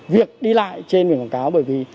việc đi lại trên biển quảng cáo